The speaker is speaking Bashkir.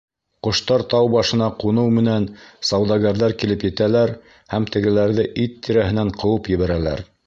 Ҡоштар тау башына ҡуныу менән сауҙагәрҙәр килеп етәләр һәм тегеләрҙе ит тирәһенән ҡыуып ебәрәләр.